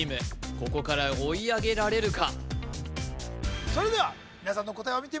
ここから追い上げられるか？